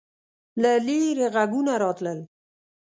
له لیرې غږونه راتلل.